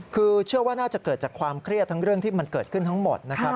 คือเชื่อว่าน่าจะเกิดจากความเครียดทั้งเรื่องที่มันเกิดขึ้นทั้งหมดนะครับ